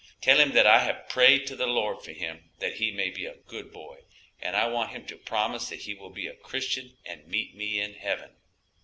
Tell him that I have prayed to the Lord for him that he may be a good boy, and I want him to promise that he will be a Christian and meet me in heaven."